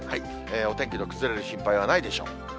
お天気の崩れる心配はないでしょう。